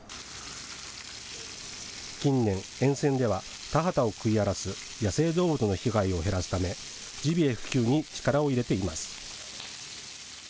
近年、沿線では田畑を食い荒らす野生動物の被害を減らすためジビエ普及に力を入れています。